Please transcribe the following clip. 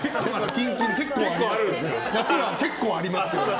夏は結構あります。